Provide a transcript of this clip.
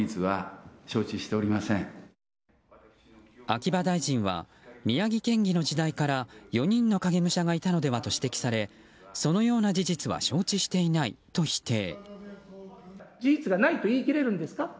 秋葉大臣は宮城県議の時代から４人の影武者がいたのではと指摘されそのような事実は承知していないと否定。